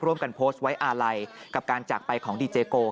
ร่วมกันโพสต์ไว้อาลัยกับการจากไปของดีเจโก